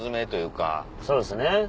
そうですね。